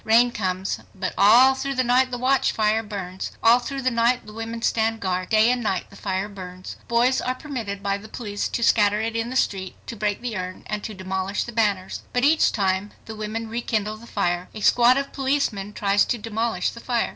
Rain comes, but all through the night the watchfire burns. All through the night the women stand guard. Day and night the fire burns. Boys are permitted by the police to scatter it in the street, to break the. urn, and to demolish the banners. But each time the women rekindle the fire. A squad of policemen tries to demolish the fire.